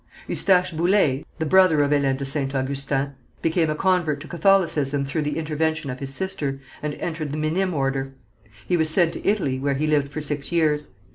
Eustache Boullé, the brother of Hélène de St. Augustin, became a convert to Catholicism through the intervention of his sister, and entered the Minim order. He was sent to Italy, where he lived for six years.